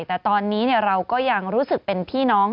แต่ตอนนี้เราก็ยังรู้สึกเป็นพี่น้อง